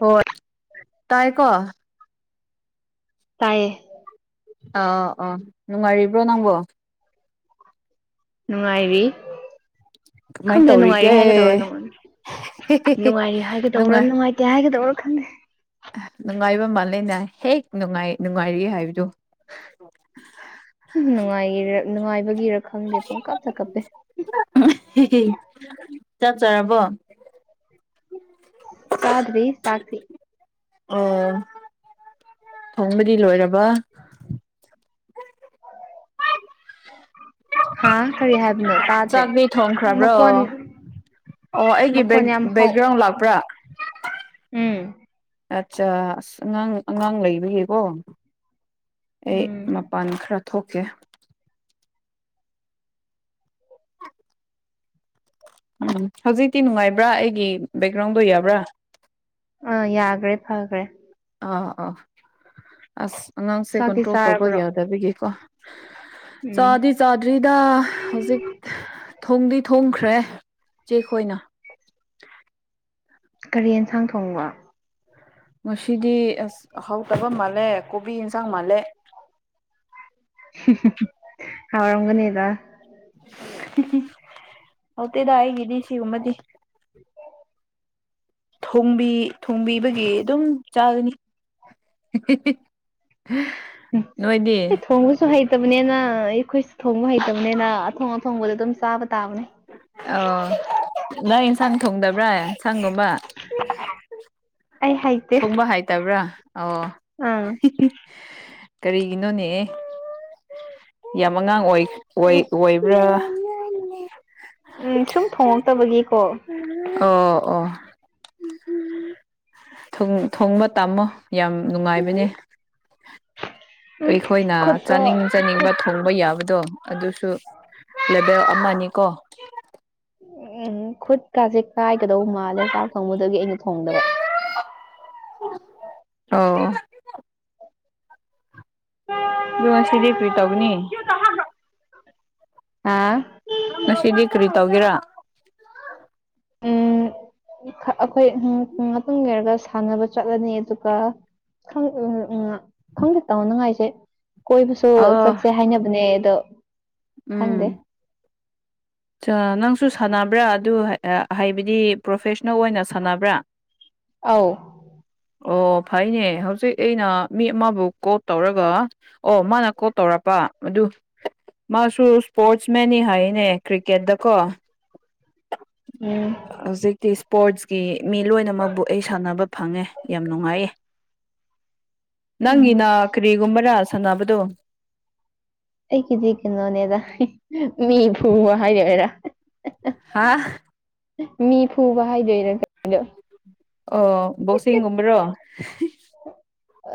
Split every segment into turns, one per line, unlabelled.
ꯍꯣꯏ ꯇꯥꯏꯀꯣ
ꯇꯌꯦ
ꯑꯥ ꯑꯥ ꯅꯨꯡꯉꯥꯏꯔꯤꯕ꯭ꯔꯣ ꯅꯪꯕꯣ
ꯅꯨꯡꯉꯥꯏꯔꯤ
ꯀꯃꯥꯏꯅ
ꯈꯪꯗꯦ
ꯇꯧꯔꯤꯒꯦ
ꯅꯨꯡꯉꯥꯏꯔꯦ ꯍꯥꯏꯒꯗꯧꯔ ꯅꯪꯉꯣꯟ ꯅꯨꯡꯉꯥꯏꯔꯤꯦ ꯍꯥꯏꯒꯗꯧꯔ
ꯅꯨꯡꯉꯥꯏ
ꯅꯨꯡꯉꯥꯏꯇꯦ ꯍꯥꯏꯒꯗꯧꯔ ꯈꯜꯂꯦ
ꯅꯨꯡꯉꯥꯏꯕ ꯃꯥꯜꯂꯦꯅꯦ ꯍꯦꯛ ꯅꯨꯡꯉꯥꯏ ꯅꯨꯡꯉꯥꯏꯔꯤ ꯍꯥꯏꯕꯗꯨ
ꯎ ꯅꯨꯡꯉꯥꯏꯔ ꯅꯨꯡꯉꯥꯏꯕꯒꯤꯔ ꯈꯪꯗꯦ ꯄꯨꯡ ꯀꯞꯇ ꯀꯞꯄꯦ
ꯆꯠꯆꯔꯕꯣ
ꯆꯥꯗ꯭ꯔꯤ ꯆꯥꯛꯇꯤ
ꯑꯣ ꯊꯣꯡꯕꯗꯤ ꯂꯣꯏꯔꯕ
ꯍꯥ ꯀꯔꯤ ꯍꯥꯏꯕꯅꯣ ꯇꯥꯗ꯭ꯔꯦ
ꯆꯥꯛꯗꯤ ꯊꯣꯡꯈ꯭ꯔꯕ꯭ꯔꯣ
ꯃꯈꯣꯟ
ꯑꯣ ꯑꯩꯒꯤ ꯕꯦꯛ
ꯃꯈꯣꯟ ꯌꯥꯝ ꯍꯧ
ꯕꯦꯛꯒ꯭ꯔꯥꯎꯟ ꯂꯥꯛꯄ꯭ꯔꯥ
ꯎꯝ
ꯑꯠꯆꯥ ꯑꯁ ꯑꯉꯥꯡ ꯑꯉꯥꯡ ꯂꯩꯕꯒꯤꯀꯣ ꯑꯩ
ꯎꯝ
ꯃꯄꯥꯟ ꯈꯔ ꯊꯣꯛꯀꯦ ꯎꯝ ꯍꯧꯖꯤꯛꯇꯤ ꯅꯨꯡꯉꯥꯏꯕ꯭ꯔꯥ ꯑꯩꯒꯤ ꯕꯦꯛꯒ꯭ꯔꯥꯎꯟꯗꯣ ꯌꯥꯕ꯭ꯔꯥ
ꯑꯥ ꯌꯥꯈ꯭ꯔꯦ ꯐꯈ꯭ꯔꯦ
ꯑꯥ ꯑꯥ ꯑꯁ ꯑꯉꯥꯡꯁꯦ
ꯆꯥꯛꯇꯤ
ꯀꯟꯇ꯭ꯔꯣꯜ ꯇꯧꯕ
ꯆꯥꯔꯕ꯭ꯔꯣ
ꯌꯥꯗꯕꯒꯤꯀꯣ
ꯎꯝ
ꯆꯥꯗꯤ ꯆꯥꯗ꯭ꯔꯤꯗ ꯍꯧꯖꯤꯛ ꯊꯣꯡꯗꯤ ꯊꯣꯡꯈ꯭ꯔꯦ ꯏ ꯆꯦꯛ ꯈꯣꯏꯅ
ꯀꯔꯤ ꯌꯦꯟꯁꯥꯡ ꯊꯣꯡꯕ
ꯉꯁꯤꯗꯤ ꯑꯁ ꯑꯍꯥꯎ ꯇꯕ ꯃꯥꯜꯂꯦ ꯀꯣꯕꯤ ꯌꯦꯟꯁꯥꯡ ꯃꯥꯜꯂꯦ
ꯍꯔꯒꯅꯤꯗ
ꯍꯧꯛꯇꯦꯗ ꯑꯩꯒꯤꯗꯤ ꯁꯤꯒꯨꯝꯕꯗꯤ ꯊꯣꯡꯕꯤ ꯊꯣꯡꯕꯤꯕꯒꯤ ꯑꯗꯨꯝ ꯆꯥꯒꯅꯤ ꯅꯣꯏꯗꯤ
ꯑꯦ ꯊꯣꯡꯕꯁꯨ ꯍꯩꯇꯕꯅꯦꯅ ꯑꯩꯈꯣꯏꯁꯨ ꯊꯣꯡꯕ ꯍꯩꯇꯕꯅꯤꯅ ꯑꯊꯣꯡ ꯑꯊꯣꯡꯕꯗ ꯑꯗꯨꯝ ꯆꯥꯕ ꯇꯥꯕꯅꯦ
ꯑ ꯅꯣꯏ ꯑꯦꯟꯁꯥꯡ ꯊꯣꯡꯗꯕ꯭ꯔꯥ ꯑꯦꯟꯁꯥꯡꯒꯨꯝꯕ
ꯑꯩ ꯍꯩꯇꯦ
ꯊꯣꯡꯕ ꯍꯥꯏꯇꯕ꯭ꯔꯥ ꯑꯣ
ꯑꯥ
ꯀꯔꯤꯒꯤꯅꯣꯅꯦ ꯌꯥꯝ ꯑꯉꯥꯡ ꯑꯣꯏ
ꯑꯩ
ꯑꯣꯏꯕ꯭ꯔꯥ
ꯎꯝ ꯁꯨꯝ
ꯑꯣ ꯑꯣ
ꯎꯝ
ꯊꯣꯡꯕ ꯇꯥꯝꯃꯣ ꯌꯥꯝ ꯅꯨꯡꯉꯥꯏꯕꯅꯦ
ꯎꯝ
ꯑꯩꯈꯣꯏꯅ
ꯈꯨꯠꯇꯣ
ꯆꯥꯅꯤꯡ ꯆꯥꯅꯤꯡꯕ
ꯈꯨꯠ
ꯊꯣꯡꯕ ꯌꯥꯕꯗꯣ ꯑꯗꯨꯁꯨ ꯂꯕ ꯑꯃꯅꯤꯀꯣ
ꯎꯝ ꯈꯨꯠ ꯀꯖꯤꯦ ꯀꯥꯏ ꯀꯩꯗꯧꯕꯧ ꯃꯥꯜꯂꯦ ꯆꯥꯛ ꯊꯣꯡꯕꯗꯒꯤ ꯑꯩꯅ ꯊꯣꯡꯗꯕ
ꯑꯣ
ꯎꯝ
ꯑꯗꯨꯒ ꯉ ꯁꯤꯗꯤ ꯀ꯭ꯔꯤ ꯇꯕꯨꯅꯤ
ꯑꯥ
ꯉꯁꯤꯗꯤ ꯀꯔꯤ ꯇꯧꯒꯦꯔꯥ
ꯎꯝ
[inaudible]
ꯑꯩꯈꯣꯏ ꯃꯇꯨꯡ ꯌꯔꯒ ꯁꯥꯟꯅꯕ ꯆꯠꯂꯅꯤ ꯑꯗꯨꯒ ꯎꯝ ꯎꯝ ꯈꯪꯗꯦ ꯇꯥꯅꯉꯥꯏꯁꯦ ꯀꯣꯏꯕꯁꯨ
ꯑꯣ
ꯆꯠꯁꯦ ꯍꯥꯏꯅꯕꯅꯦ ꯑꯗꯣ ꯈꯪꯗꯦ
ꯎꯝ ꯅꯪꯁꯨ ꯁꯥꯟꯅꯕ꯭ꯔꯥ ꯑꯗꯨ ꯍꯥꯏꯕꯗꯤ ꯄ꯭ꯔꯣꯐꯦꯁ ꯅꯣ ꯑꯣꯏꯅ ꯁꯥꯟꯅꯕ꯭ꯔꯥ
ꯑꯧ
ꯑꯣ ꯐꯩꯅꯦ ꯍꯧꯖꯤꯛ ꯑꯩꯅ ꯃꯤ ꯑꯃꯕꯨ ꯀꯣꯜ ꯇꯧꯔꯒ ꯑꯣ ꯃꯥꯅ ꯀꯣꯜ ꯇꯧꯔꯛꯄ ꯑꯗꯨ ꯃꯥꯁꯨ ꯏꯁꯄꯣꯔꯠꯁ ꯃꯦꯟꯅꯤ ꯍꯥꯏꯅꯦ ꯀ꯭ꯔꯤꯀꯦꯠꯇꯀꯣ
ꯎꯝ
ꯍꯧꯖꯤꯛꯇꯤ ꯏꯁꯄꯣꯔꯠꯁꯀꯤ ꯃꯤ ꯂꯣꯏꯅꯃꯛꯕꯨ ꯑꯩ ꯁꯥꯟꯅꯕ ꯐꯪꯉꯦ ꯌꯥꯝ ꯅꯨꯡꯉꯥꯏꯌꯦ
ꯎꯝ
ꯅꯪꯒꯤꯅ ꯀꯔꯤꯒꯨꯝꯕꯔꯥ ꯁꯥꯟꯅꯕꯗꯣ
ꯑꯩꯒꯤꯗꯤ ꯍꯨꯕ ꯍꯥꯏꯅꯦꯔ
ꯍꯥꯥ
ꯃꯤ ꯐꯨꯕ ꯍꯥꯏꯗꯣꯏꯅꯗꯣ
ꯑꯣ ꯕꯣꯛꯁꯤꯡꯒꯨꯝꯕ꯭ꯔꯣ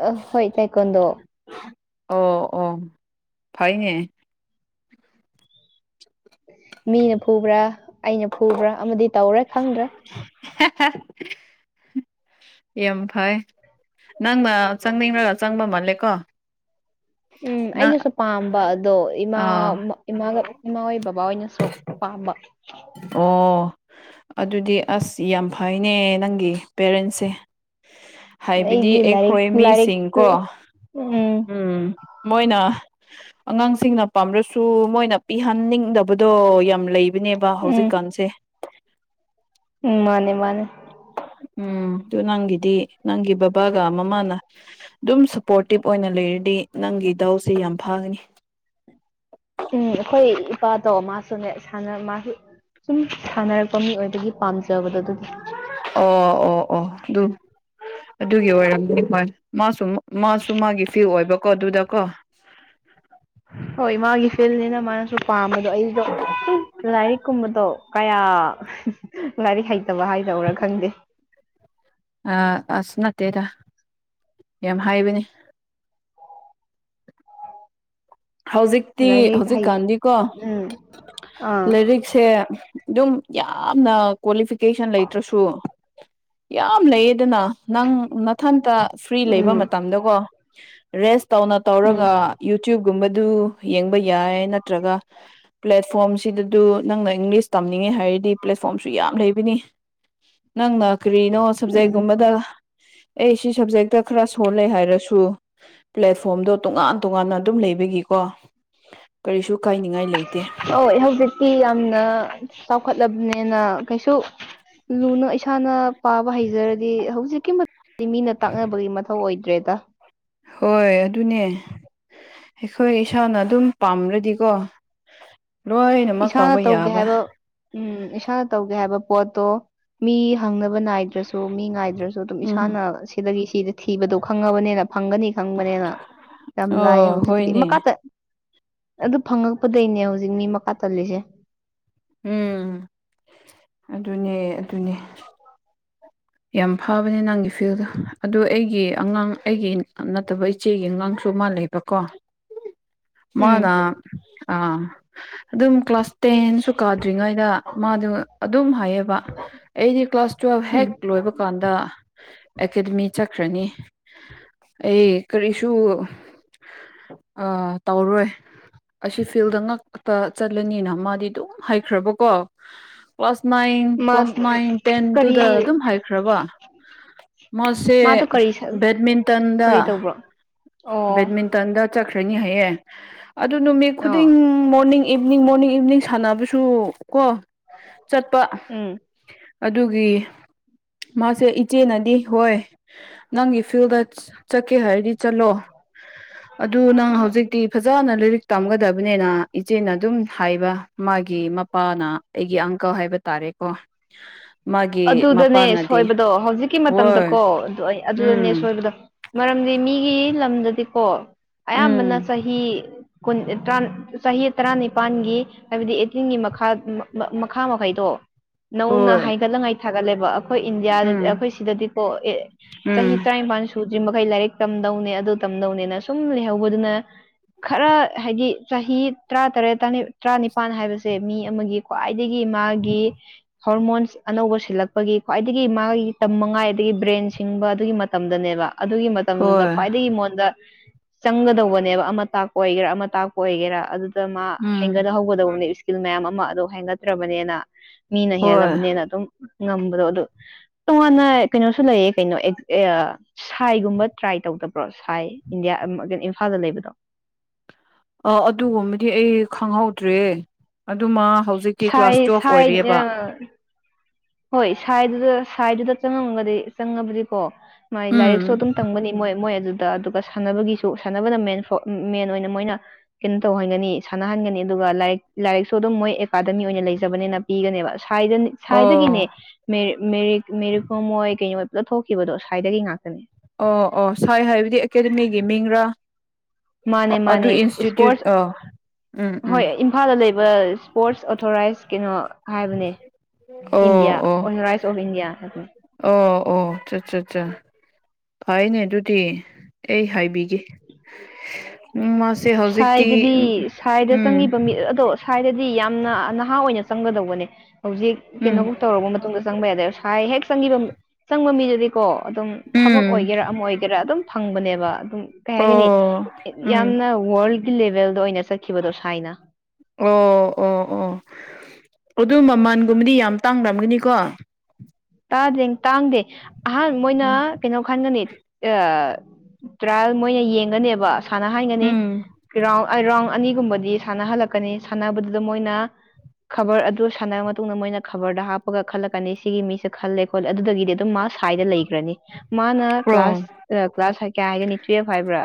ꯑ ꯍꯣꯏ ꯏ ꯇꯥꯏꯀꯣꯟꯗ
ꯑꯣ ꯑꯣ ꯐꯩꯅꯦ
ꯃꯤꯅ ꯐꯨꯕ꯭ꯔꯥ ꯑꯩꯅ ꯐꯨꯕ꯭ꯔꯥ ꯑꯃꯗꯤ ꯇꯧꯔꯦ ꯈꯪꯗ꯭ꯔꯦ
ꯍ ꯌꯥꯝ ꯐꯩ ꯅꯪꯅ ꯆꯪꯅꯤꯡꯂꯒ ꯆꯪꯕ ꯃꯥꯜꯂꯦꯀꯣ
ꯎꯝ
ꯅꯪ
ꯑꯩꯅꯁꯨ ꯄꯥꯝꯕ ꯑꯗꯣ ꯏꯃꯥ
ꯑꯥ
ꯏꯃꯥꯒ ꯏꯃꯥ ꯍꯣꯏꯕ ꯕꯥꯅ ꯁꯣ ꯄꯥꯝꯕ
ꯑꯣ ꯑꯗꯨꯗꯤ ꯑꯁ ꯌꯥꯝ ꯐꯩꯅꯦ ꯅꯪꯒꯤ ꯄꯦꯔꯦꯟꯁꯁꯦ ꯍꯥꯏꯕꯗꯤ
ꯑꯩꯗꯤ ꯂꯥꯏꯔꯤꯛ
ꯑꯩꯈꯣꯏ
ꯂꯥꯏꯔꯤꯛ
ꯃꯤꯁꯤꯡꯀꯣ ꯎꯝ ꯃꯣꯏꯅ ꯑꯉꯥꯡꯁꯤꯡꯅ ꯄꯥꯝꯂꯁꯨ ꯃꯣꯏꯅ ꯄꯤꯍꯟꯅꯤꯡꯗꯕꯗꯣ ꯌꯥꯝ ꯂꯩꯕꯅꯦ ꯕꯥ
ꯎꯝ
ꯍꯧꯖꯤꯛꯀꯥꯟꯁꯦ
ꯎꯝ ꯃꯥꯅꯦ ꯃꯥꯅꯦ
ꯎꯝ ꯑꯗꯨ ꯅꯪꯒꯤꯗꯤ ꯅꯪꯒꯤ ꯕꯕꯥꯒ ꯃꯃꯥꯅ ꯑꯗꯨꯝ ꯁꯞꯄꯣꯔꯇꯤꯚ ꯑꯣꯏꯅ ꯂꯩꯔꯤ ꯑꯗꯨꯗꯤ ꯅꯪꯒꯤ ꯏꯗꯥꯎꯁꯦ ꯌꯥꯝ ꯐꯥꯒꯅꯤ
ꯎꯝ ꯑꯩꯈꯣꯏ ꯏꯄꯥꯗꯣ ꯃꯥꯁꯨꯅꯦ ꯃꯥꯁꯨ ꯁꯨꯝ ꯁꯥꯟꯅꯔꯛꯄ ꯃꯤ ꯑꯣꯏꯕꯒꯤ ꯄꯥꯝ ꯆꯕꯗ ꯑꯗꯨꯗꯤ
ꯑꯣ ꯑꯣ ꯑꯣ ꯑꯗꯨ ꯑꯗꯨꯒꯤ ꯑꯣꯏꯔꯝꯗꯤ ꯍꯣꯏ ꯃꯥꯁꯨ ꯃꯥꯁꯨ ꯃꯥꯒꯤ ꯐꯤ ꯑꯣꯏꯕ ꯀꯗꯨꯗ ꯀꯣ
ꯍꯣꯏ ꯃꯥꯒꯤ ꯐꯤꯜꯅꯤꯅ ꯃꯥꯅꯁꯨ ꯄꯥꯝꯕꯗꯣ ꯑꯩꯗꯣ ꯂꯥꯏꯔꯤꯛꯀꯨꯝꯕꯗꯣ ꯂꯥꯏꯔꯤꯛ ꯍꯩꯇꯕ ꯍꯥꯏꯗꯧꯔꯥ ꯈꯪꯗꯦ
ꯑꯁ ꯅꯠꯇꯦꯗ ꯌꯥꯝ ꯍꯥꯏꯕꯅꯤ ꯍꯧꯖꯤꯛꯇꯤ
ꯂꯥꯏꯔꯤꯛ ꯍꯩ
ꯍꯧꯖꯤꯛꯀꯥꯟꯗꯤꯀꯣ
ꯎꯝ ꯑꯥ
ꯂꯥꯏꯔꯤꯛꯁꯦ ꯑꯗꯨꯝ ꯌꯥꯝꯅ ꯀ꯭ꯋꯥꯂꯤꯐꯤꯀꯦꯁꯟ ꯂꯩꯇ꯭ꯔꯁꯨ ꯌꯥꯝ ꯂꯩꯌꯦꯗꯅ ꯅꯪ ꯃꯊꯟꯇ ꯐ꯭ꯔꯤ ꯂꯩꯕ
ꯎꯝ
ꯃꯇꯝꯗꯀꯣ ꯔꯦꯁ ꯇꯧꯅ
ꯎꯝ
ꯇꯧꯔꯒ ꯌꯨꯇ꯭ꯌꯨꯕꯀꯨꯝꯕꯗꯨ ꯌꯦꯡꯕ ꯌꯥꯏ ꯅꯠꯇ꯭ꯔꯒ ꯄ꯭ꯂꯦ ꯐꯣꯝꯁꯤꯗ ꯑꯗꯨ ꯅꯪꯅ ꯏꯪꯂꯤꯁ ꯇꯝꯅꯤꯡꯉꯦ ꯍꯥꯏꯔꯗꯤ ꯄ꯭ꯂꯦꯠꯐꯣꯝꯁꯨ ꯌꯥꯝ ꯂꯩꯕꯅꯤ ꯅꯪꯅ ꯀꯔꯤꯅꯣ
ꯎꯝ
ꯁꯕꯖꯦꯛꯒꯨꯝꯕꯗ ꯑꯩ ꯁꯤ ꯁꯕꯖꯦꯛꯇ ꯈꯔ ꯁꯣꯜꯂꯦ ꯍꯥꯏꯔꯁꯨ ꯊ꯭ꯔꯨ ꯄ꯭ꯂꯦꯠꯐꯣꯝꯗꯣ ꯇꯣꯉꯥꯟ ꯇꯣꯉꯥꯟꯅ ꯑꯗꯨꯝ ꯂꯩꯕꯒꯤꯀꯣ ꯀꯔꯤꯁꯨ ꯀꯥꯏꯅꯤꯡꯉꯥꯏ ꯂꯩꯇꯦ
ꯍ ꯍꯧꯖꯤꯛꯇꯤ ꯌꯥꯝꯅ ꯆꯥꯎꯈꯠꯂꯕꯅꯦ ꯍꯦꯟꯅ ꯀꯩꯁꯨ ꯂꯨꯅ ꯏꯁꯥꯅ ꯄꯥꯕ ꯍꯩꯖꯔꯗꯤ ꯍꯧꯖꯤꯛꯀꯤ ꯃꯤꯅ ꯇꯥꯛꯅꯕꯒꯤ ꯃꯊꯧ ꯑꯣꯏꯗ꯭ꯔꯦꯗ
ꯍꯣꯏ ꯑꯗꯨꯅꯦ ꯑꯩꯈꯣꯏ ꯏꯁꯥꯅ ꯑꯗꯨꯝ ꯄꯥꯝꯔ꯭ꯔꯗꯤꯀꯣ
ꯏꯁꯥꯅ ꯇꯧꯒꯦ ꯍꯥꯏꯕ ꯎꯝ ꯏꯁꯥꯅ ꯇꯧꯒꯦ ꯍꯥꯏꯕ ꯄꯣꯠꯇꯣ ꯃꯤ ꯍꯪꯅꯕ ꯅꯥꯏꯗ꯭ꯔꯁꯨ ꯃꯤ ꯉꯥꯏꯏꯗ꯭ꯔꯁꯨ ꯑꯗꯨꯝ
ꯎꯝ
ꯏꯁꯥꯅ ꯁꯤꯗꯒꯤ ꯁꯤꯗ ꯊꯤꯕꯗꯣ ꯈꯪꯉꯕꯅꯤꯅ ꯐꯪꯒꯅꯤ ꯈꯪꯕꯅꯦꯅ ꯌꯥꯝ ꯂꯥꯏ
ꯑꯣ
ꯍꯧꯖꯤꯛꯀꯤꯗꯤ
ꯍꯣꯏꯅꯦ
ꯃꯈꯥ ꯆ ꯑꯗꯨ ꯐꯪꯉꯛꯄꯗꯩꯅꯦ ꯍꯧꯖꯤꯛ ꯃꯤ ꯃꯈꯀꯥ ꯇꯜꯂꯤꯁꯦ
ꯎꯝ ꯑꯗꯨꯅꯦ ꯑꯗꯨꯅꯦ ꯌꯥꯝ ꯐꯥꯕꯅꯦ ꯅꯪꯒꯤ ꯐꯤꯜꯗꯣ ꯑꯗꯨ ꯑꯩꯒꯤ ꯑꯉꯥꯡ ꯑꯩꯒꯤ ꯅꯠꯇꯕ ꯏꯆꯦꯒꯤ ꯑꯉꯥꯡꯁꯨ ꯁꯨꯃꯂꯕꯀꯣ
ꯎꯝ
ꯃꯥꯅꯥ ꯑꯥ ꯑꯗꯨꯝ ꯀ꯭ꯂꯥꯁ ꯇꯦꯟꯁꯨ ꯀꯥꯗ꯭ꯔꯤꯉꯩꯗ ꯃꯥꯗꯨ ꯑꯗꯨꯝ ꯍꯥꯏꯌꯦꯕ ꯑꯩꯗꯤ ꯀ꯭ꯂꯥꯁ ꯇꯨꯋꯦꯜꯕ
ꯎꯝ
ꯍꯦꯛ ꯂꯣꯏꯕ ꯀꯥꯟꯗ ꯑꯦꯀꯥꯗꯃꯤ ꯈ꯭ꯔꯅꯤ ꯑꯩ ꯀꯔꯤꯁꯨ ꯇꯧꯔꯣꯏ ꯑꯁꯤ ꯐꯤꯜꯗ ꯉꯛꯇ ꯆꯠꯂꯅꯤꯅ ꯃꯥꯗꯤ ꯑꯗꯨꯝ ꯍꯩꯈ꯭ꯔꯕꯀꯣ ꯀ꯭ꯂꯥꯁ ꯅꯥꯏꯟ
ꯃꯥ
ꯀ꯭ꯂꯥꯁ ꯅꯥꯏꯟ ꯇꯦꯟ
ꯀꯔꯤ
ꯇꯨꯗ ꯑꯗꯨꯝ ꯍꯥꯏꯈ꯭ꯔꯕ ꯃꯣꯁꯦ
ꯃꯥꯗꯣ ꯀꯔꯤ
ꯦꯗꯃꯤꯟꯇꯟꯗ
ꯀꯔꯤ ꯇꯧꯕ꯭ꯔꯣ ꯑꯣ
ꯕꯦꯠꯃꯤꯟꯇꯟꯗ ꯆꯠꯈ꯭ꯔꯅꯤ ꯍꯥꯏꯌꯦꯦ ꯑꯗꯨ ꯅꯨꯃꯤꯠ ꯈꯨꯗꯤꯡ
ꯑꯣ
ꯃꯣꯔꯅꯤꯡ ꯏꯚꯤꯅꯤꯡ ꯃꯣꯔꯅꯤꯡ ꯏꯚꯤꯅꯤꯡ ꯁꯥꯟꯅꯕꯁꯨ ꯀꯣ ꯆꯠꯄ
ꯎꯝ
ꯑꯗꯨꯒꯤ ꯃꯥꯁꯦ ꯏꯆꯦꯅꯗꯤ ꯍꯣꯏ ꯅꯪꯒꯤ ꯐꯤꯜꯗ ꯆꯠꯀꯦ ꯍꯥꯏꯔꯗꯤ ꯆꯠꯂꯣ ꯑꯗꯨ ꯅꯪ ꯍꯧꯖꯤꯛꯇꯤ ꯐꯖꯅ ꯂꯥꯏꯔꯤꯛ ꯇꯝꯒꯗꯕꯅꯤꯅ ꯏꯆꯦꯅ ꯑꯗꯨꯝ ꯍꯥꯏꯕ ꯃꯥꯒꯤ ꯃꯄꯥꯅ ꯑꯩꯒꯤꯥꯡ ꯍꯥꯏꯕ ꯇꯥꯔꯦꯀꯣ ꯃꯥꯒꯤ
ꯑꯗꯨꯗꯅꯦ
ꯃꯄꯥꯅꯗꯤ
ꯁꯣꯏꯕꯗꯣ ꯍꯧꯖꯤꯛꯀꯤ
ꯍꯣꯏ
ꯃꯇꯝꯗꯀꯣ ꯑꯗꯨ ꯑꯗꯨꯗꯅꯦ
ꯎꯝ
ꯁꯣꯏꯕꯗꯣ ꯃꯔꯝꯗꯤ ꯃꯤꯒꯤ ꯂꯝꯗꯗꯤꯀꯣ
ꯎꯝ
ꯑꯌꯥꯝꯕꯅ ꯆꯍꯤ ꯨ ꯆꯍꯤ ꯇꯔꯥꯅꯤꯄꯥꯜꯒꯤ ꯍꯥꯏꯕꯗꯤ ꯑꯩꯠꯇꯤꯟꯒꯤ ꯃꯈꯥ ꯃꯈꯥ ꯃꯈꯩꯗꯣ ꯅꯧꯅ
ꯍꯣꯏ
ꯍꯥꯏꯒꯠꯂꯉꯥꯏ ꯊꯥꯒꯠꯂꯦꯕ ꯑꯩꯈꯣꯏ ꯏꯟꯗꯤꯌꯥꯗꯗꯤ
ꯎꯝ
ꯑꯩꯈꯣꯏ ꯁꯤꯗꯗꯤꯀꯣ ꯑꯦ
ꯎꯝ
ꯆꯍꯤ ꯇꯔꯥꯅꯤꯄꯥꯟ ꯁꯨꯗ꯭ꯔꯤ ꯑꯩꯈꯣꯏ ꯂꯥꯏꯔꯤꯛ ꯇꯝꯗꯧꯅꯦ ꯑꯗꯨ ꯇꯝꯗꯧꯅꯦꯅ ꯁꯨꯝ ꯂꯩꯍꯧꯕꯗꯨꯅ ꯈꯔ ꯍꯥꯏꯗꯤ ꯆꯍꯤ ꯇꯔꯥꯇꯔꯦꯠ ꯇꯔꯥꯅꯤꯄꯥꯜ ꯍꯥꯏꯕꯁꯦ ꯃꯤ ꯑꯃꯒꯤ ꯈ꯭ꯋꯥꯏꯗꯒꯤ ꯃꯥꯒꯤ ꯍꯣꯔꯃꯣꯟꯁ ꯑꯅꯧꯕ ꯁꯤꯜꯂꯛꯄꯒꯤ ꯈ꯭ꯋꯥꯏꯗꯒꯤ ꯃꯥꯒꯤ ꯇꯝ ꯃꯉꯥꯏ ꯑꯗꯒꯤ ꯕ꯭ꯔꯦꯟ ꯁꯤꯡꯕ ꯑꯗꯨꯒꯤ ꯃꯇꯝꯗꯅꯦꯕ ꯑꯗꯨꯒꯤ ꯃꯇꯝꯗꯨꯗ
ꯍꯣꯏ
ꯈ꯭ꯋꯥꯏꯗꯒꯤꯉꯣꯟꯗ ꯆꯪꯒꯗꯧꯕꯅꯦꯕ ꯑꯃ ꯇꯥꯛꯄ ꯑꯣꯏꯒꯦꯔꯥ ꯑꯃ ꯇꯥꯛꯄ ꯑꯣꯏꯒꯦꯔꯥ ꯑꯗꯨꯗ ꯃꯥ
ꯎꯝ
ꯍꯦꯟꯒꯠꯍꯧꯒꯗꯧꯕꯅꯦ ꯏꯁꯀꯤꯜ ꯃꯌꯥꯝ ꯑꯃ ꯑꯗꯨꯣ ꯍꯥꯏꯦꯟꯒꯠꯇ꯭ꯔꯕꯅꯤꯅ ꯃꯤꯅ
ꯍꯣꯏ
ꯍꯦꯜꯂꯕꯅꯤꯅ ꯑꯗꯨꯝ ꯉꯝꯕꯗꯣ ꯑꯗꯨ ꯇꯣꯉꯥꯟꯅ ꯀꯩꯅꯣꯁꯨ ꯂꯩꯌꯦ ꯀꯩꯅꯣ ꯁꯥꯏꯒꯨꯝꯕ ꯇ꯭ꯔꯥꯏ ꯇꯧ ꯭ꯔꯣ ꯁꯥꯏ ꯏꯟꯗꯤꯌꯥ ꯀꯩꯅꯣ ꯏꯝꯐꯥꯜꯗ ꯂꯩꯕꯗꯣ
ꯑ ꯑꯗꯨꯒꯨꯝꯕꯗꯤ ꯑꯩ ꯈꯪꯍꯧꯗ꯭ꯔꯦ ꯑꯗꯨꯃ ꯍꯧꯖꯤꯛꯇꯤ ꯀ꯭ꯂꯥꯁ
ꯁꯥꯏ
ꯇꯨꯦꯜꯐ
ꯁꯥꯏ
ꯑꯣꯏꯔꯤꯑꯕ
ꯑ ꯍꯣꯏ ꯁꯥꯏꯗꯨꯗ ꯁꯥꯏꯗꯨꯗ ꯆꯪꯉꯝꯃꯒꯗꯤ ꯆꯪꯉꯕꯗꯤꯀꯣ ꯃꯥꯏ ꯂꯥꯏꯔꯤꯛꯁꯨ
ꯎꯝ
ꯑꯗꯨꯝ ꯇꯝꯒꯅꯤ ꯃꯣꯏ ꯃꯣꯏ ꯑꯗꯨꯗ ꯑꯗꯨꯒ ꯁꯥꯟꯅꯕꯒꯤꯁꯨ ꯁꯥꯟꯅꯕꯅ ꯃꯦꯟ ꯃꯦꯟ ꯑꯣꯏꯅ ꯃꯣꯏꯅ ꯀꯩꯅꯣ ꯇꯧꯍꯟꯒꯅꯤ ꯁꯥꯟꯅꯍꯟꯒꯅꯤ ꯑꯗꯨꯒ ꯂꯥꯏꯔꯤꯛ ꯂꯥꯏꯔꯤꯛꯁꯨ ꯑꯗꯨꯝ ꯃꯣꯏ ꯑꯦꯀꯥꯗꯃꯤ ꯑꯣꯏꯅ ꯂꯩꯖꯕꯅꯦꯅ ꯄꯤꯒꯅꯦꯕ ꯁꯥꯏꯗꯒꯤꯅꯦ
ꯑꯣ
ꯃꯦꯔꯤꯈꯣꯝꯣꯏ ꯀꯩꯅꯣ ꯊꯣꯛꯈꯤꯕꯗꯣ ꯁ꯭ꯋꯥꯏꯗꯒꯤ ꯉꯥꯛꯇꯅꯦ
ꯑꯣ ꯑꯣ ꯁꯥꯏ ꯍꯥꯏꯕꯗꯤ ꯑꯦꯀꯥꯗꯃꯤꯒꯤ ꯃꯤꯡꯔꯥ
ꯃꯥꯅꯦ ꯃꯥꯅꯦ
ꯑꯗꯨ ꯏꯟꯁꯇꯤꯇ꯭ꯌꯨꯠ
ꯏꯁꯄꯣꯔꯠꯁ
ꯑ ꯎꯝ ꯎꯝ
ꯍꯣꯏ ꯏꯝꯐꯥꯜꯗ ꯂꯩꯕ ꯏꯁꯄꯣꯔꯠꯁ ꯑꯣꯊꯣꯔꯥꯏꯁ ꯀꯩꯅꯣ ꯍꯥꯏꯕꯅꯦ ꯏꯟꯗꯤꯌꯥ ꯑꯣ ꯔꯥꯏꯁ ꯑꯣꯐ ꯏꯟꯗꯤꯌꯥ
ꯑꯣꯆꯥ ꯑꯠꯆꯥ ꯍꯥꯏꯅꯦ ꯑꯗꯨꯗꯤ ꯑꯩ ꯍꯥꯏꯕꯤꯒꯦ ꯎꯝ ꯃꯥꯁ
ꯁꯥꯏꯗꯗꯤ ꯁꯥꯏꯗ ꯆꯪꯉꯤꯕ ꯃꯤꯠ ꯑꯗꯣ ꯁ꯭ꯋꯥꯏꯗꯗꯤ ꯌꯥꯝꯅ ꯅꯍꯥ ꯑꯣꯏꯅ ꯆꯪꯒꯗꯧꯕꯅꯦ ꯍꯧꯖꯤꯛ
ꯎꯝ
ꯀꯩꯅꯣꯕꯨꯛ ꯇꯧꯔꯕ ꯃꯇꯨꯡꯗ ꯆꯪꯕ ꯌꯥꯗꯦꯁꯥꯏ ꯍꯦꯛ ꯆꯪꯕ ꯆꯪꯕ ꯃꯤꯗꯨꯗꯤꯀꯣ ꯑꯗꯨꯝ ꯊꯕꯛ
ꯎꯝ
ꯑꯣꯏꯒꯦꯔꯥ ꯑꯃ ꯑꯣꯏꯒꯦꯔꯥ ꯑꯗꯨꯝ ꯐꯪꯕꯅꯦꯕ ꯑꯗꯨꯝ ꯀꯩ ꯍꯥꯏꯒꯅꯤ
ꯑꯣ ꯎꯝ
ꯌꯥꯝꯅ ꯋꯥꯔꯜ ꯂꯦꯚꯦꯜꯗ ꯑꯣꯏꯅ ꯆꯠꯈꯤꯕꯗꯣ ꯁꯥꯏꯅ
ꯑꯣ ꯑꯣ ꯑꯣ [unintelligible] [inaudible] ꯑꯗꯨ ꯃꯃꯜꯒꯨꯝꯕꯗꯤ ꯌꯥꯝ ꯇꯥꯡꯅꯝꯒꯅꯤꯀꯣ
ꯇꯥꯗꯦ ꯇꯥꯡꯗꯦ ꯑꯍꯥꯟꯕ ꯃꯣꯏꯅ
ꯎꯝ
ꯀꯩꯅꯣ ꯈꯟꯒꯅꯤ ꯇ꯭ꯔꯥꯏꯌꯦꯜ ꯃꯣꯏꯅ ꯌꯦꯡꯒꯅꯦꯕ ꯁꯥꯟꯅ
ꯎꯝ
ꯍꯥꯏꯒꯅꯤꯥꯎꯟ ꯔꯥꯎꯟ ꯑꯅꯤꯒꯨꯝꯕꯗꯤ ꯁꯥꯟꯅꯍꯜꯂꯛꯀꯅꯤ ꯁꯥꯟꯅꯕꯗꯨꯗ ꯃꯣꯏꯅ ꯈꯕꯔ ꯑꯗꯨ ꯁꯥꯟꯅꯔꯕ ꯃꯇꯨꯡꯗ ꯃꯣꯏꯅ ꯈꯕꯔꯗ ꯍꯥꯞꯄꯒ ꯈꯜꯂꯛꯀꯅꯤ ꯁꯤꯒꯤ ꯃꯤ ꯈꯜꯂꯦ ꯈꯣꯠꯂꯦ ꯑꯗꯨꯗꯒꯤꯗꯤ ꯑꯗꯨꯝ ꯃꯥꯁ ꯁ꯭ꯥꯏꯗ ꯂꯩꯈ꯭ꯔꯅꯤ ꯃꯥꯅ
ꯑꯣ
ꯀ꯭ꯂꯥꯁ ꯀ꯭ꯂꯥꯁ ꯀꯌꯥ ꯍꯥꯏꯒꯅꯤ ꯇꯨꯌꯦꯜꯐ ꯍꯥꯏꯕ꯭ꯔꯥ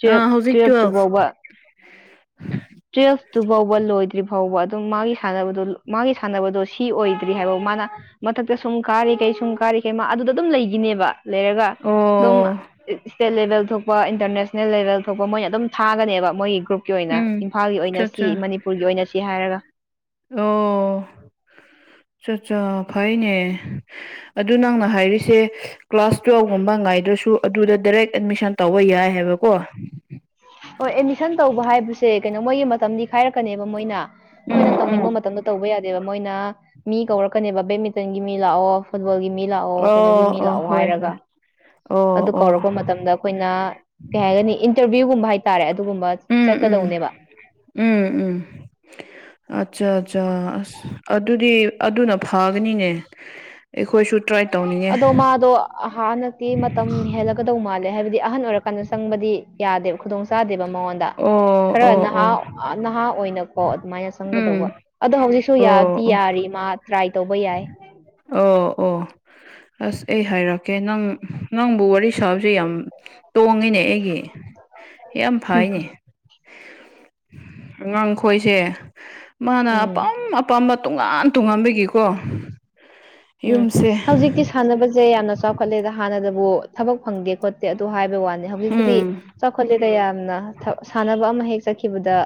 ꯇꯨꯌꯦꯞ
ꯋ [unintelligible] [inaudible]
ꯇ꯭ꯔꯤ ꯑꯁꯨ ꯥꯎꯕ ꯂꯣꯏꯗ꯭ꯔꯤ ꯐꯥꯎꯕꯜ ꯑꯗꯨꯝ ꯃꯥꯒꯤ ꯁꯥꯟꯅꯕꯗ ꯃꯥꯒꯤ ꯁꯥꯟꯅꯕꯗꯣ ꯁꯤ ꯑꯣꯏꯗ꯭ꯔꯤ ꯍꯥꯏꯕ ꯃꯥꯅ ꯃꯊ ꯁꯨꯝ ꯀꯥꯔꯤꯈꯩ ꯁꯨꯝ ꯀꯥꯔꯤꯈꯩ ꯃꯥ ꯑꯗꯨꯗ ꯑꯗꯨꯝ ꯂꯩꯈꯤꯅꯦꯕ ꯂꯩꯔꯒ ꯑꯗꯨꯝ
ꯑꯣ
ꯏꯁꯇꯦꯠ ꯂꯦꯕꯦꯜ ꯊꯣꯛꯄ ꯏꯟꯇꯔꯅꯦꯁꯅꯦꯜ ꯅ ꯂꯦꯕꯦꯜ ꯊꯣꯛꯄ ꯃꯣꯏꯅ ꯑꯗꯨꯝ ꯊꯥꯒꯅꯦꯕ ꯃꯣꯏꯒꯤ ꯒ꯭ꯔꯨꯞꯀꯤ ꯑꯣꯏꯅ
ꯎꯝ
ꯏꯝꯐꯥꯜꯒꯤ
ꯑꯆꯥ
ꯑꯣꯏꯅꯁꯤ
ꯑꯆꯥ
ꯃꯅꯤꯄꯨꯔꯒꯤ ꯑꯣꯏꯅꯁꯤ ꯍꯥꯏꯔꯒ
ꯑ [unintelligible] [inaudible] ꯐꯩꯅꯦ ꯑꯗꯨ ꯅꯪꯅ ꯍꯥꯏꯔꯤꯁꯦ ꯀ꯭ꯂꯥꯁ ꯇꯨꯌꯦꯦꯜꯕꯒꯨꯝꯕ ꯉꯥꯏꯗ꯭ꯔꯁꯨ ꯨ ꯑꯗꯨꯗ ꯗꯥꯏꯔꯦꯛ ꯑꯦꯗꯃꯤꯁꯟ ꯇꯧꯕ ꯌꯥꯏ ꯍꯥꯏꯕꯀꯣ
ꯍꯣꯏ ꯑꯦꯠꯃꯤꯁꯟ ꯇꯧꯕ ꯍꯥꯏꯕꯁꯦ ꯀꯩꯅꯣ ꯃꯣꯏꯒꯤ ꯃꯇꯝꯗꯤ ꯈꯥꯏꯔꯛꯀꯅꯦꯕ ꯃꯣꯏꯅ ꯑꯩꯈꯣꯏꯅ
ꯎꯝ ꯎꯝ
ꯇꯧꯅꯤꯡꯕ ꯃꯇꯝꯗꯣ ꯇꯧꯕ ꯌꯥꯗꯦꯕ ꯃꯣꯏꯅ ꯃꯤ ꯀꯧꯔꯛꯀꯅꯦꯕ ꯕꯦꯗꯃꯤꯟꯇꯟꯒꯤ ꯃꯤ ꯂꯥꯛꯑꯣ ꯐꯨꯕꯜꯒꯤ ꯃꯤ ꯂꯥꯛꯑꯣ
ꯑꯣ
ꯀꯩꯅꯣꯒꯤ ꯃꯤ
ꯑꯣ
ꯂꯥꯛꯑꯣ
ꯍꯣꯏ
ꯍꯥꯏꯔꯒ
ꯍꯣꯏ ꯑꯣ
ꯑꯗꯨ
ꯑꯣ
ꯀꯧꯔꯛꯄ ꯃꯇꯝꯗ ꯑꯩꯈꯣꯏꯅ ꯀꯩ ꯍꯥꯏꯒꯅꯤ ꯏꯟꯇꯔꯚꯤꯌꯨꯒꯨꯝꯕ ꯍꯥꯏꯇꯥꯔꯦ ꯑꯗꯨꯒꯨꯝꯕ
ꯎꯝ ꯎꯝ
ꯆꯠꯀꯗꯅꯦꯕ
ꯎꯝ ꯎꯝ ꯑꯠꯆꯥ ꯑꯠꯆꯥ ꯑꯁ ꯑꯗꯨꯗꯤ ꯑꯗꯨꯅ ꯐꯥꯒꯅꯤꯅꯦ ꯑꯩꯈꯣꯏꯁꯨ ꯇ꯭ꯔꯥꯏ ꯇꯧꯅꯤꯡꯉꯦ
ꯑꯗꯣ ꯃꯥꯗꯣ ꯍ ꯍꯟꯗꯛꯇꯤ ꯃꯇꯝ ꯍꯦꯜꯂꯒꯗꯧ ꯃꯥꯜꯂꯦ ꯍꯥꯏꯕꯗꯤ ꯑꯍꯟ ꯑꯣꯏꯔꯀꯥꯟꯗ ꯆꯪꯕꯗꯤ ꯌꯥꯗꯦꯕ ꯈꯨꯗꯣꯡꯆꯥꯥꯗꯦꯕ ꯃꯉꯣꯟꯗ
ꯑꯣ
ꯈꯔ
ꯑꯣ
ꯅꯍꯥ
ꯑꯣ
ꯅꯍꯥ ꯑꯣꯏꯅꯀꯣ ꯑꯗꯨꯃꯥꯏꯅ ꯆꯪꯒꯗꯧꯕ
ꯎꯝ
ꯑꯗꯣ ꯍꯧꯖꯤꯛꯁꯨ ꯌꯥꯗꯤ
ꯑꯣ ꯑꯣ
ꯌꯥꯔꯤ ꯃꯥ ꯍꯥꯏ [inaudible]
ꯑꯣ ꯑꯣ [inaudible] ꯑꯁ ꯑꯩ ꯍꯥꯏꯔꯛꯀꯦ ꯅꯪ ꯅꯪꯕꯨ ꯋꯥꯔꯤ ꯁꯥꯕꯁꯦ ꯌꯥꯝ ꯇꯣꯡꯉꯤꯅꯦ ꯑꯩꯒꯤ ꯌꯥꯝ ꯐꯩꯅꯦ ꯑꯉꯥꯡꯈꯣꯏꯁꯦ ꯃꯥꯅ
ꯎꯝ
ꯑꯄꯥꯝ ꯑꯄꯥꯝꯕ ꯇꯣꯉꯥꯟ ꯇꯨꯡꯉꯥꯟꯕꯒꯤꯀꯣ
ꯎꯝ ꯍꯧꯖꯤꯛꯇꯤ ꯁꯥꯟꯅꯕꯁꯦ ꯌꯥꯝꯅ ꯆꯥꯎꯈꯠꯂꯦꯗ ꯍꯥꯟꯅꯗꯕꯨ ꯊꯕꯛ ꯐꯪꯗꯦ ꯈꯣꯠꯇꯦ ꯑꯗꯨ ꯍꯥꯏꯕ ꯋꯥꯅꯤ ꯍꯧꯖꯤꯛꯇꯨꯗꯤ
ꯎꯝ
ꯆꯥꯎꯈꯠꯂꯦꯗ ꯌꯥꯝꯅ ꯁꯥꯟꯅꯕ ꯑꯃ ꯍꯦꯛ ꯆꯠꯈꯤꯕꯗ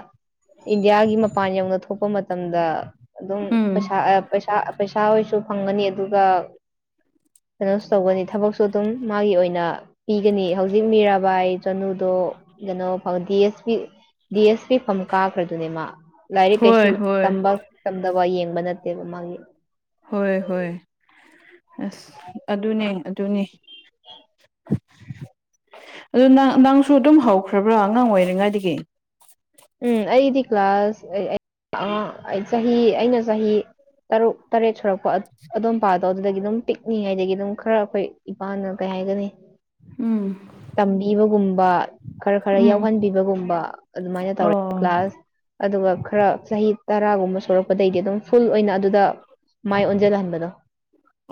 ꯏꯟꯗꯤꯌꯥꯒꯤ ꯃꯄꯥꯟ ꯌꯧꯅ ꯊꯣꯛꯄ ꯃꯇꯝꯗ ꯑꯗꯨꯝ
ꯎꯝ
ꯄꯩꯁꯥ ꯄꯩꯁꯥ ꯄꯩꯁꯥ ꯍꯁꯨ ꯐꯪꯒꯅꯤ ꯑꯗꯨꯒ ꯀꯩꯅꯣꯁꯨ ꯇꯧꯒꯅꯤ ꯊꯕꯛꯁꯨ ꯑꯗꯨꯝ ꯃꯥꯒꯤ ꯑꯣꯏꯅ ꯄꯤꯒꯅꯤ ꯍꯧꯖꯤꯛ ꯃꯤꯔꯥꯕꯥꯏ ꯆꯅꯨꯗꯣ ꯩꯅꯣꯗꯤꯁ ꯄꯤꯗꯤꯁ ꯁꯤ ꯐꯝ ꯀꯥꯈ꯭ꯔꯗꯨꯅꯦ ꯃꯥ ꯂꯥꯏꯔꯤꯛ
ꯍꯣꯏ ꯍꯣꯏ
ꯀꯩꯁꯨꯝꯕ ꯇꯝꯗꯕ ꯝꯕ ꯅꯠꯇꯦꯕ ꯃꯥꯦ
ꯍꯣꯏ ꯍꯣꯏ ꯑꯁ ꯑꯗꯨꯅꯦ ꯑꯗꯨꯅꯦ [unintelligible] ꯑꯗꯨ ꯅꯪꯁꯨ ꯑꯗꯨꯝ ꯍꯧꯈ꯭ꯔꯕ꯭ꯔꯥ ꯑꯉꯥꯡ ꯑꯣꯏꯔꯤꯉꯥꯏꯗꯒꯤ
ꯎꯝ ꯑꯩꯗꯤ ꯀ꯭ꯂꯥꯁꯥꯁ ꯑ ꯑꯩ ꯆꯍꯤ ꯑꯩꯅ ꯆꯍꯤ ꯇꯔꯨꯛ ꯇꯔꯦꯠ ꯁꯨꯔꯛꯄ ꯑꯗꯣꯝ ꯄꯥꯗꯣ ꯑꯗꯨꯗꯒꯤ ꯑꯗꯨꯝ ꯄꯤꯛꯅꯤꯡꯉꯩꯗꯒꯤ ꯑꯗꯨꯝ ꯈꯔ ꯑꯩꯈꯣꯏ ꯏꯄꯥꯅ ꯀꯩ ꯍꯥꯏꯒꯅꯤ
ꯎꯝ
ꯇꯝꯕꯤꯕꯒꯨꯝꯕ ꯈꯔ ꯈꯔ
ꯎꯝ
ꯌꯥꯎꯍꯟꯕꯤꯕꯒꯨꯝꯕ ꯑꯗꯨꯃꯥꯏꯅ
ꯑꯣ
ꯀ꯭ꯂꯥꯁ ꯑꯗꯨꯒ ꯈꯔ ꯆꯍꯤ ꯇꯔꯥꯒꯨꯝꯕ ꯁꯔꯛꯄꯗꯒꯤꯩꯗꯤ ꯑꯗꯨꯝ ꯐꯨꯜ ꯑꯣꯏꯅ ꯑꯗꯨꯗ ꯃꯥꯏ ꯑꯣꯟꯁꯤꯜꯍꯟꯕꯗꯣ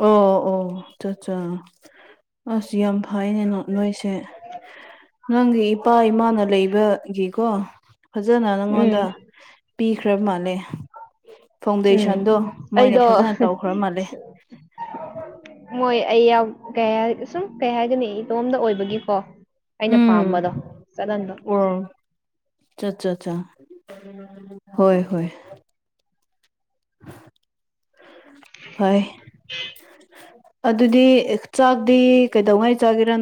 ꯑꯣ ꯑꯣ ꯑꯠꯆꯥ ꯑꯁ ꯌꯥꯝ ꯐꯩꯅꯦ ꯅꯣꯏꯁ ꯁꯦ ꯅꯪꯒꯤ ꯏꯄꯥ ꯏꯃꯥꯅ ꯂꯩꯕꯒꯤꯀꯣ ꯐꯖꯅ
ꯎꯝ
ꯅꯪꯉꯣꯟꯗ ꯄꯤꯈ꯭ꯔꯕ ꯃꯥꯜꯂꯦ
ꯎꯝ
ꯐꯥꯎꯟꯗꯦꯁꯟꯗꯣ ꯃꯣꯏꯅ
ꯑꯩꯗꯣ
ꯐꯖꯅ ꯇꯧꯈ꯭ꯔ ꯃꯥꯜꯂꯦ
ꯃꯣꯏ ꯑꯩ ꯌꯥꯝ ꯀ ꯁꯨꯝ ꯀꯩ ꯍꯥꯏꯒꯅꯤ ꯏꯇꯣꯝꯗ ꯑꯣꯏꯕꯒꯤꯀꯣ ꯑꯩꯅ
ꯎꯝ
ꯄꯥꯝꯕꯗꯣ ꯆꯠꯍꯟꯕ
ꯑꯣ ꯑꯠꯆꯥ ꯑꯆꯥ ꯍꯣꯏ ꯍꯣꯏ ꯍꯣꯏ ꯑꯗꯨꯗꯤ ꯆꯥꯛꯗꯤ ꯀꯩꯗꯧꯉꯥꯏ ꯆꯥꯒꯦꯔ